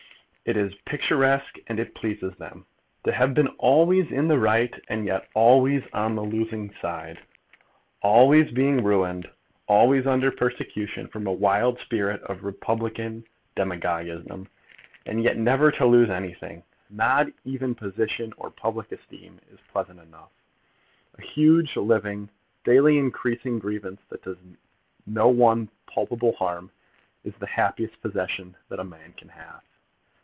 It is picturesque, and it pleases them. To have been always in the right and yet always on the losing side; always being ruined, always under persecution from a wild spirit of republican demagogism, and yet never to lose anything, not even position or public esteem, is pleasant enough. A huge, living, daily increasing grievance that does one no palpable harm, is the happiest possession that a man can have.